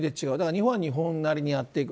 日本は日本なりにやっていく。